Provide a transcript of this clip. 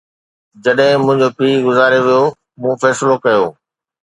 جڏهن منهنجو پيءُ گذاري ويو، مون فيصلو ڪيو